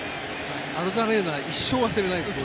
アロザレーナ一生忘れないです、僕。